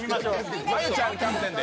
真悠ちゃんキャプテンで。